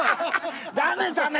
ダメダメ！